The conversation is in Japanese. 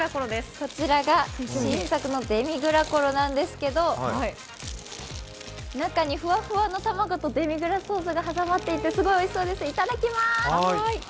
こちらが新作のデミグラコロなんですけど、中にふわふわの卵とデミグラスソースが挟まってておいしそうです。